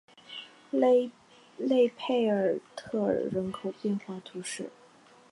勒佩尔特尔人口变化图示